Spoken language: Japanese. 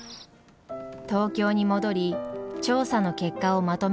東京に戻り調査の結果をまとめる